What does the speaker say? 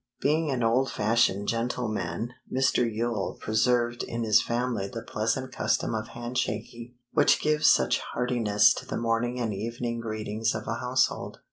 Being an old fashioned gentleman, Mr. Yule preserved in his family the pleasant custom of hand shaking, which gives such heartiness to the morning and evening greetings of a household.